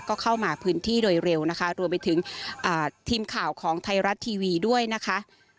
ก็เข้ามาพื้นที่โดยเร็วนะคะรวมไปถึงทีมข่าวของไทยรัฐทีวีด้วยนะคะ